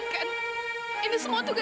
ini semua terjadi karena suami saya